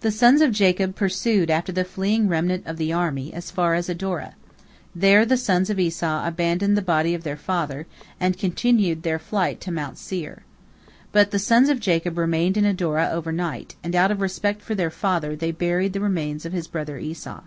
The sons of Jacob pursued after the fleeing remnant of the army as far as Adora. There the sons of Esau abandoned the body of their father, and continued their flight to Mount Seir. But the sons of Jacob remained in Adora over night, and out of respect for their father they buried the remains of his brother Esau.